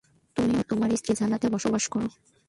তুমি ও তোমার স্ত্রী জান্নাতে বসবাস কর।